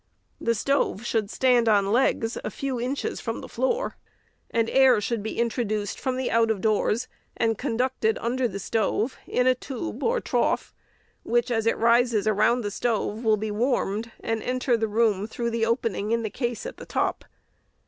The stove should stand on legs a few inches from the floor, and fresh air should be introduced from out of doors, and conducted under the stove in a tube or trough, which, as it rises around the stove, will be warmed, and enter the room through the opening in the case at the top.